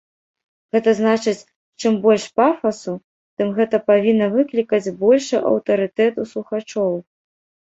Гэта значыць, чым больш пафасу, тым гэта павінна выклікаць большы аўтарытэт у слухачоў.